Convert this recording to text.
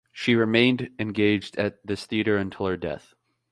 She remained engaged at this theater until her death.